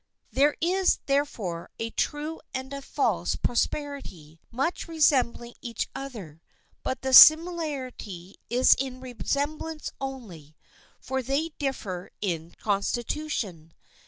There is, therefore, a true and a false prosperity, much resembling each other. But the similarity is in resemblance only, for they differ in constitution.